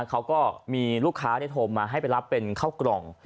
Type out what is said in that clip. เขาก็มีลูกค้าได้โทรมาให้ไปรับเป็นข้าวกล่อง